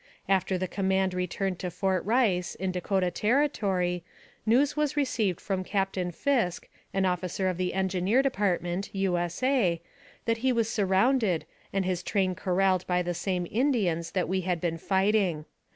After the command re turned to Fort Rice, in Dakota Territory, news was received from Captain Fisk, an officer of the Engineer Department, U. S. A., that he was surrounded, and his train corralled by the same Indians that we had been fighting.